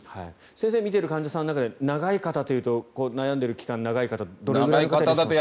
先生が診ている患者さんの中で、長い方というと悩んでいる期間、長い方はどれくらいいらっしゃいますか。